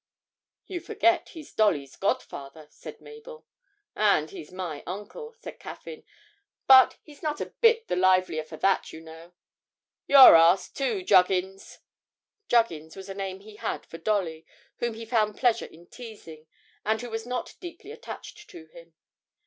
'You forget he's Dolly's godfather,' said Mabel. 'And he's my uncle,' said Caffyn; 'but he's not a bit the livelier for that, you know. You're asked, too Juggins.' (Juggins was a name he had for Dolly, whom he found pleasure in teasing, and who was not deeply attached to him.)